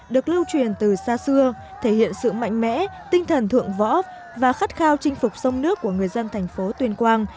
được lưu truyền từ xa xưa thể hiện sự mạnh mẽ tinh thần thượng võ và khát khao chinh phục sông nước của người dân thành phố tuyên quang